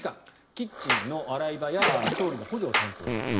キッチンの洗い場や調理の補助を担当している。